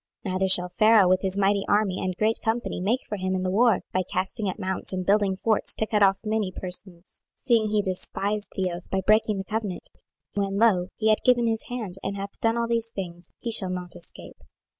26:017:017 Neither shall Pharaoh with his mighty army and great company make for him in the war, by casting up mounts, and building forts, to cut off many persons: 26:017:018 Seeing he despised the oath by breaking the covenant, when, lo, he had given his hand, and hath done all these things, he shall not escape.